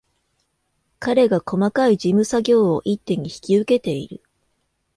彼が細かい事務作業を一手に引き受けている